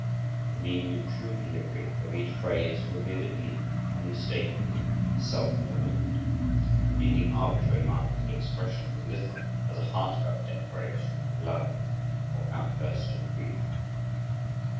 The meaning and true delivery of each phrase were vividly, unmistakably self evident, needing arbitrary marks of expression as little as a heart felt declaration of love or outburst of grief.